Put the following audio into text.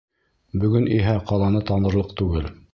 Бөгөн иһә ҡаланы танырлыҡ түгел.